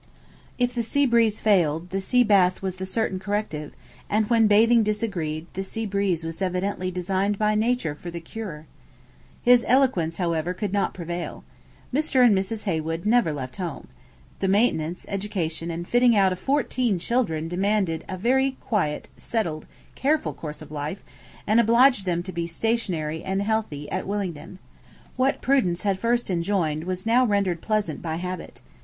If the sea breeze failed, the sea bath was the certain corrective; and when bathing disagreed, the sea breeze was evidently designed by nature for the cure. His eloquence, however, could not prevail. Mr. and Mrs. Heywood never left home. ... The maintenance, education, and fitting out of fourteen children demanded a very quiet, settled, careful course of life; and obliged them to be stationary and healthy at Willingden. What prudence had at first enjoined was now rendered pleasant by habit.